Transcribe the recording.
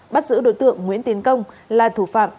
bắt giữ đối tượng nguyễn tiến công là thủ phạm